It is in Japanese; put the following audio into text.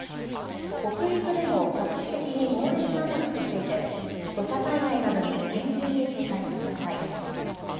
北陸でも局地的に猛烈な雨が降っていて土砂災害などに厳重に警戒してください。